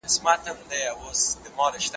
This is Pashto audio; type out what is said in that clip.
دا د کلسیم او نورو منرالونو سره مرسته کوي.